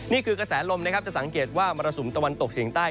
กระแสลมนะครับจะสังเกตว่ามรสุมตะวันตกเฉียงใต้